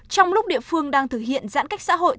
trong lúc địa phương đang thực hiện giãn cách xã hội